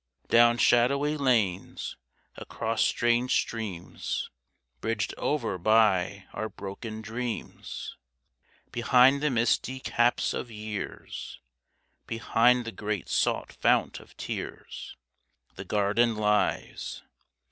Down shadowy lanes, across strange streams, Bridged over by our broken dreams; Behind the misty caps of years, Beyond the great salt fount of tears, The garden lies.